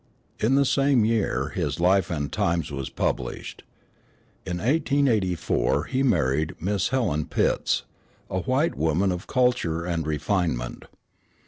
In the same year his Life and Times was published. In 1884 he married Miss Helen Pitts, a white woman of culture and refinement.